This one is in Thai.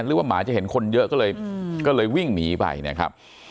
หรือว่าหมาจะเห็นคนเยอะก็เลยวิ่งหนีไปนะครับ